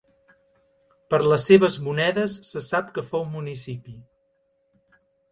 Per les seves monedes se sap que fou municipi.